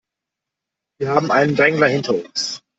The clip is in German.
Wir haben einen Drängler hinter uns.